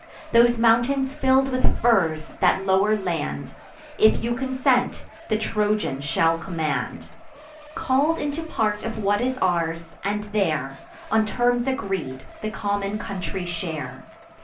Those mountains fill'd with firs, that lower land, If you consent, the Trojan shall command, Call'd into part of what is ours; and there, On terms agreed, the common country share.